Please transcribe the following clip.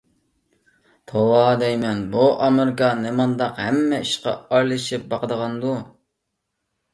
توۋا دەيمەن، بۇ ئامېرىكا نېمانداق ھەممە ئىشقا ئارىلىشىپ باقىدىغاندۇ.